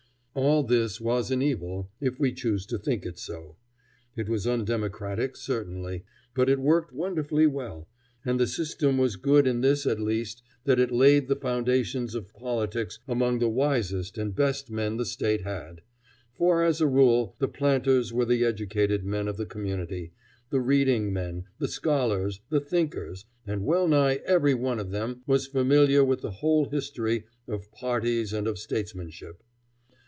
All this was an evil, if we choose to think it so. It was undemocratic certainly, but it worked wonderfully well, and the system was good in this at least, that it laid the foundations of politics among the wisest and best men the State had; for as a rule the planters were the educated men of the community, the reading men, the scholars, the thinkers, and well nigh every one of them was familiar with the whole history of parties and of statesmanship.